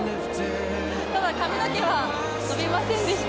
ただ、髪の毛は伸びませんでした。